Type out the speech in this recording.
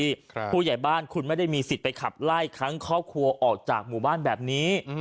ผู้ใหญ่บ้านคุณไม่ได้มีสิทธิ์ไปขับไล่ทั้งครอบครัวออกจากหมู่บ้านแบบนี้อืม